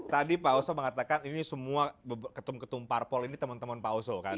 tadi pak oso mengatakan ini semua ketum ketum parpol ini teman teman pak oso kan